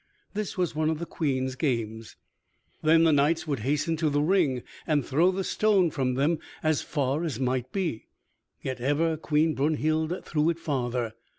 This was one of the Queen's games. Then the knights would hasten to the ring and throw the stone from them as far as might be, yet ever Queen Brunhild threw it farther.